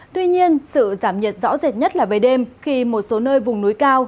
tuy nhiên sự giảm nhiệt rõ rệt nhất là về đêm khi một số nơi vùng núi cao